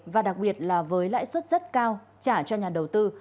và đặc biệt là với lãi suất rất cao trả cho nhà đầu tư